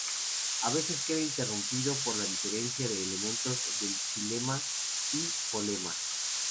A veces queda interrumpido por la diferenciación de elementos del xilema y floema.